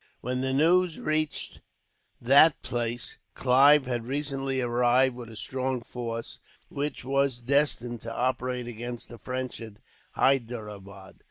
When the news reached that place, Clive had recently arrived with a strong force, which was destined to operate against the French at Hyderabad.